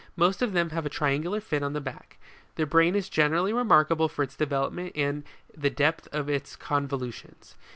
Most of them have a triangular fin on the back. Their brain is generally remarkable for its developement and the depth of its convolutions.